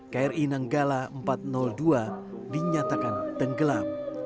kri nanggala empat ratus dua dinyatakan tenggelam